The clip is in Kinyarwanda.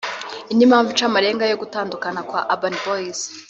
Indi mpamvu ica amarenga yo gutandukana kwa Urban Boys